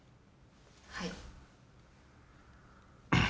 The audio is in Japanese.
はい。